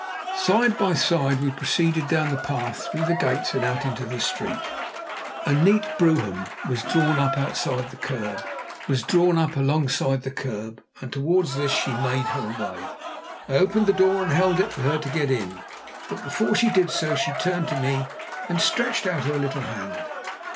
Side by side we proceeded down the path, through the gates and out into the street. A neat brougham was drawn up alongside the kerb, and towards this she made her way. I opened the door and held it for her to get in. But before she did so she turned to me and stretched out her little hand.